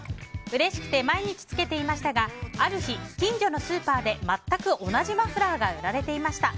うれしくて毎日着けていましたがある日、近所のスーパーで全く同じマフラーが売られていました。